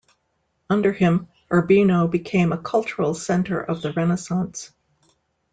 Under him Urbino became a cultural center of the Renaissance.